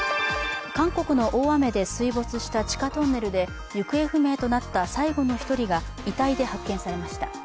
韓国の大雨で水没した地下トンネルで、行方不明となった最後の１人が遺体で発見されました。